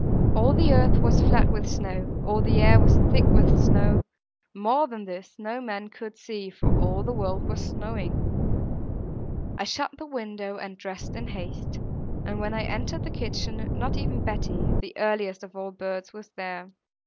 All the earth was flat with snow, all the air was thick with snow; more than this no man could see, for all the world was snowing. I shut the window and dressed in haste; and when I entered the kitchen, not even Betty, the earliest of all early birds, was there.